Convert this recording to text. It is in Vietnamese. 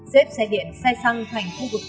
xếp xe điện xe xăng thành khu vực xe điện